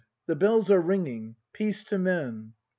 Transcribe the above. The bells are ringing: Peace to Men.